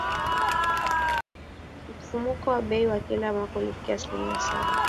Mfumuko wa bei wa kila mwaka ulifikia asilimia saba